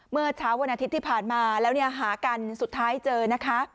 เมื่อเช้าวันอาทิตย์ที่ผ่านมาแล้วเนี่ยหากันสุดท้ายเจอนะคะ